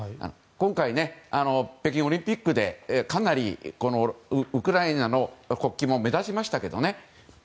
今回、北京オリンピックでかなりウクライナの国旗も目立ちましたけどね。